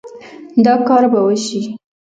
دا کار به وشي